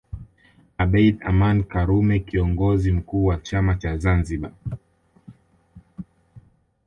Abeid Aman Karume Kiongozi mkuu wa chama cha Zanzibar